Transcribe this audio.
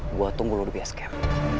gue tunggu lo di psgam